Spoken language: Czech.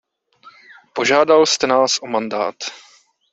Požádal jste nás o mandát.